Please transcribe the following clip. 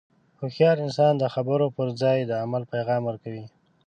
هوښیار انسان د خبرو پر ځای د عمل پیغام ورکوي.